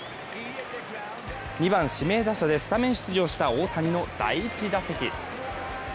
２番・指名打者でスタメン出場した大谷の第２打席。